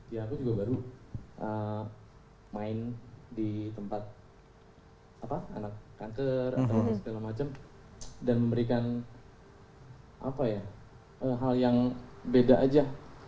ya aku juga baru main di tempat anak kanker atau segala macam dan memberikan hal yang beda aja